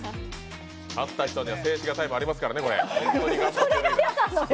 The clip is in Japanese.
合った人には静止画タイムありますからね。